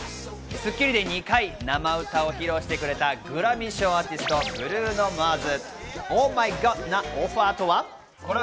『スッキリ』で２回、生歌を披露してくれたグラミー賞アーティスト、ブルーノ・マーズ。